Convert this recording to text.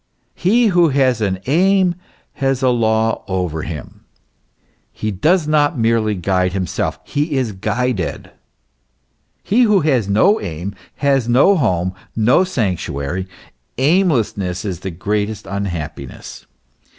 He who has an aim, has a law over him ; he does not merely guide himself; he is guided. He who has no aim, has no home, no sanctuary ; aimlessness is the greatest unhappiness.